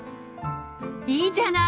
いいじゃない！